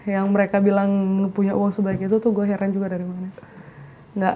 yang mereka bilang punya uang sebaiknya itu tuh gue heran juga dari mana